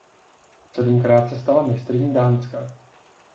Sedmkrát se stala mistryní Dánska.